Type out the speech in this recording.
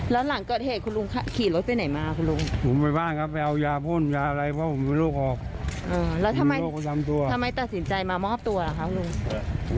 แล้วทำไมตัดสินใจมามอบตัวล่ะครับลุง